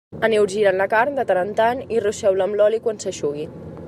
Aneu girant la carn de tant en tant i ruixeu-la amb l'oli quan s'eixugui.